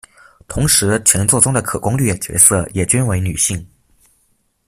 同时全作中的可攻略角色也均为女性。